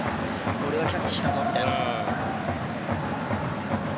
俺がキャッチしたぞ、みたいな。